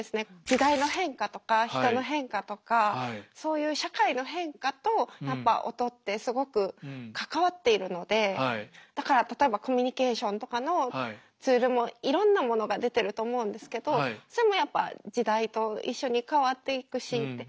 時代の変化とか人の変化とかそういう社会の変化とやっぱ音ってすごく関わっているのでだから例えばコミュニケーションとかのツールもいろんなものが出てると思うんですけどそれもやっぱ時代と一緒に変わっていくしって。